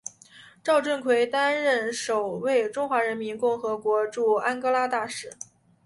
赵振魁担任首位中华人民共和国驻安哥拉大使。